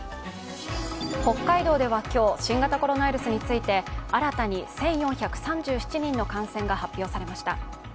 北海道では今日、新型コロナウイルスについて新たに１４３７人の感染が発表されました。